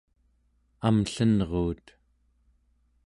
amllenruut